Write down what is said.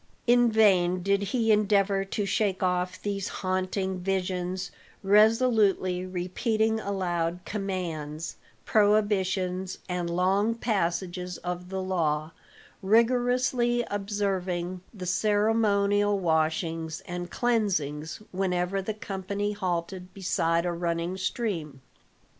In vain did he endeavor to shake off these haunting visions, resolutely repeating aloud commands, prohibitions and long passages of the law, rigorously observing the ceremonial washings and cleansings whenever the company halted beside a running stream.